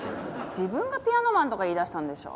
自分がピアノマンとか言いだしたんでしょ。